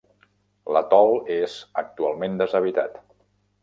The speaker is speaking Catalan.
L'atol és actualment deshabitat.